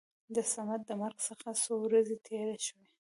د صمد د مرګ څخه څو ورځې تېرې شوې.